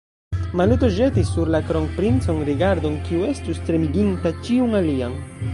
Maluto ĵetis sur la kronprincon rigardon, kiu estus tremiginta ĉiun alian.